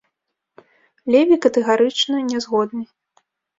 Леві катэгарычна не згодны.